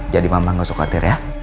jadi mama gak suka khawatir ya